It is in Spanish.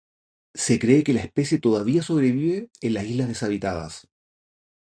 Se cree que la especie todavía sobrevive en las islas deshabitadas.